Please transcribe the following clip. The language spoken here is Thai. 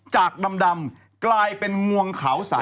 จากดำกลายเป็นงวงเขา๓